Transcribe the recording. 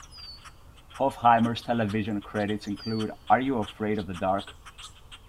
Hofheimer's television credits include Are You Afraid of the Dark?